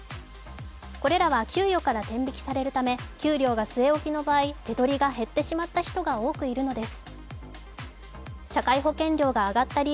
これらは給与から天引きされるため給料が据え置きの場合手取りが減ってしまった人が多くいるのです。